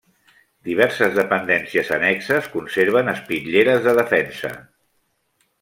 Diverses dependències annexes conserven espitlleres de defensa.